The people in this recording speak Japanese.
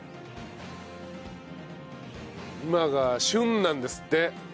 今が旬なんですって。